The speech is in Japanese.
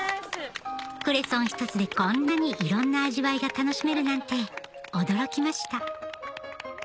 クレソン１つでこんなにいろんな味わいが楽しめるなんて驚きました